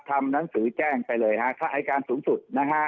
ทำหนังสือแจ้งไปเลยฮะค่าอายการสูงสุดนะฮะ